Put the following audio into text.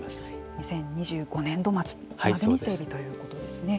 ２０２５年度末までに整備ということですね。